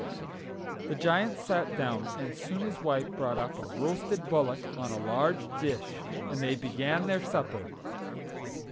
The Giant sat down, and soon his wife brought up a roasted bullock on a large dish, and they began their supper.